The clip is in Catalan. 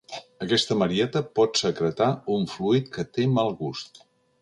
Aquesta marieta pot secretar un fluid que té mal gust.